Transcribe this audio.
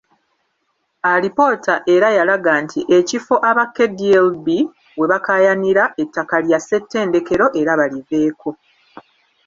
Alipoota era yalaga nti ekifo aba KDLB webakaayanira ettaka lya Ssetendekero era baliveeko.